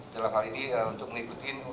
dalam hal ini untuk mengikuti